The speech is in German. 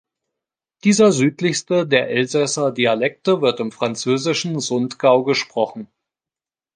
Dieser südlichste der Elsässer Dialekte wird im französischen Sundgau gesprochen.